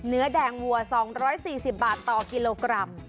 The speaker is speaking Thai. เนื้อแดงวัว๒๔๐บาทต่อกิโลกรัม